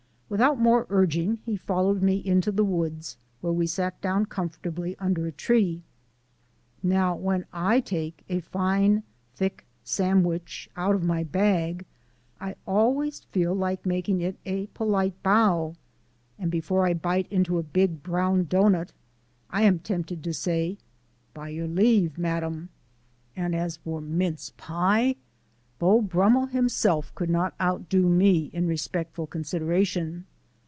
Without more urging he followed me into the woods, where we sat down comfortably under a tree. Now, when I take a fine thick sandwich out of my bag, I always feel like making it a polite bow, and before I bite into a big brown doughnut, I am tempted to say, "By your leave, madam," and as for MINCE PIE Beau Brummel himself could not outdo me in respectful consideration.